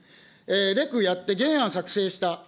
レクやって、原案作成した。